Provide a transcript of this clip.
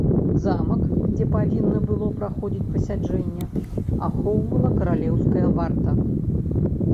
Замак, дзе павінна было праходзіць пасяджэнне, ахоўвала каралеўская варта.